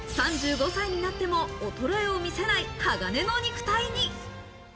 ３５歳になっても衰えを見せない鋼の肉体に。